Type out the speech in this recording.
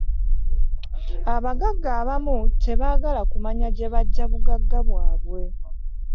Abaggaga abamu tebagala kumanya gye bajja buggaga bwaabwe.